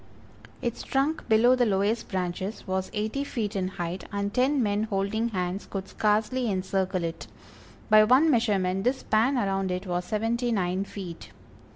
Its trunk below the lowest branches was eighty feet in height, and ten men holding hands could scarcely encircle it; by one measurement this span around it was seventy nine feet.